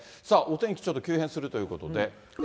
さあ、お天気ちょっと急変するということで。